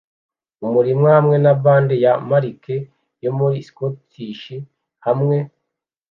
Umurima hamwe na bande ya marike yo muri Scottish hamwe